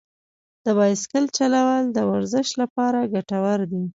د بایسکل چلول د ورزش لپاره ګټور دي.